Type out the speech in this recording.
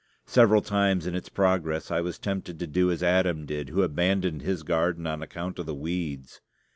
Several times in its progress I was tempted to do as Adam did, who abandoned his garden on account of the weeds.